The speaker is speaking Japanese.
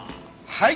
はい。